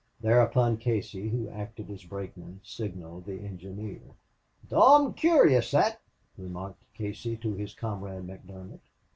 Thereupon Casey, who acted as brakeman, signaled the engineer. "Dom' coorious that," remarked Casey to his comrade McDermott.